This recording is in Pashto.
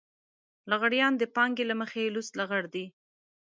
لغړيان د پانګې له مخې لوڅ لغړ دي.